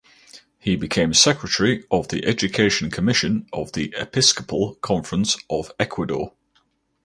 He became secretary of the Education Commission of the Episcopal Conference of Ecuador.